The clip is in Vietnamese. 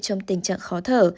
trong tình trạng khó thở